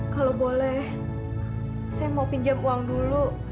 kalau boleh saya mau pinjam uang dulu